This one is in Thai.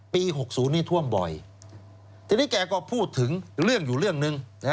๖๐นี้ท่วมบ่อยทีนี้แกก็พูดถึงเรื่องอยู่เรื่องหนึ่ง